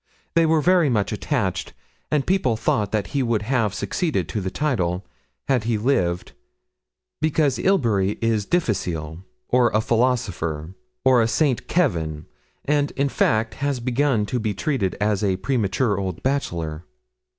They were very much attached, and people thought that he would have succeeded to the title, had he lived, because Ilbury is difficile or a philosopher or a Saint Kevin; and, in fact, has begun to be treated as a premature old bachelor.'